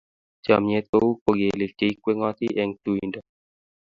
Chomnyet kou kogelik cheikweng'toi eng tuindo.